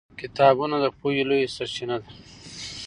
کتابونه د پوهې لویه سرچینه ده